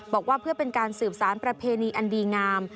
บอกว่าเพื่อเป็นการสืบสารประเพณีอันดีงาม